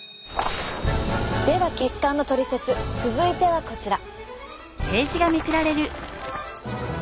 では血管のトリセツ続いてはこちら。